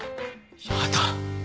やだ。